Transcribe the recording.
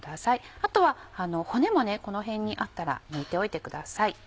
あとは骨もこの辺にあったら抜いておいてください。